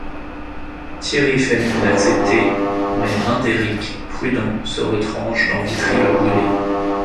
Thierry fait mine d'accepter, mais Mundéric, prudent, se retranche dans Vitry-le-Brûlé.